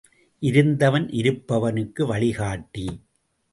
இருந்தவன் இருப்பவனுக்கு வழிகாட்டி.